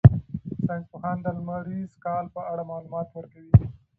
ساینس پوهان د لمریز کال په اړه معلومات ورکوي.